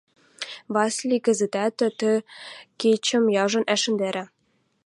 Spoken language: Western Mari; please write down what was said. Васли кӹзӹтӓт тӹ кечӹм яжон ӓшӹндӓрӓ.